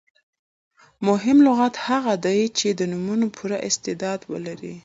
مهم لغت هغه دئ، چي د نومونو پوره استعداد ولري.